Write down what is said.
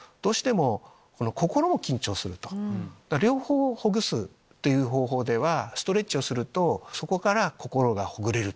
両方をほぐすという方法ではストレッチをするとそこから心がほぐれる。